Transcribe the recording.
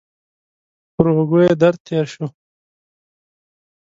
پر اوږه یې درد تېر شو.